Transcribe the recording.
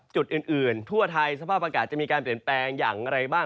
จุดอื่นทั่วไทยสภาพอากาศจะมีการเปลี่ยนแปลงอย่างไรบ้าง